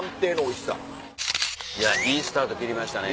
いやいいスタート切りましたね